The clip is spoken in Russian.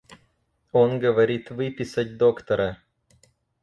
Он говорит выписать доктора...